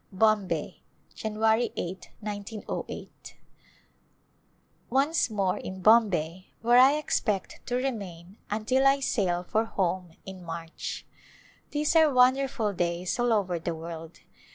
Bombay,^ yan. 8^ igo8. Once more in Bombay ; where I expect to remain until I sail for home in March. These are wonderful days all over the world.